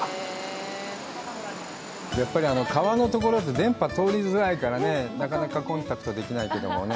やっぱり、川のところって電波が通りづらいからね、なかなかコンタクトできないけどもね。